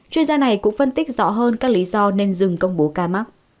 chuyên gia này cũng phân tích rõ hơn các lý do nên dừng công bố ca mắc